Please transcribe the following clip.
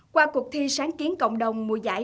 qua cuộc thi sáng kiến cộng đồng mùa giải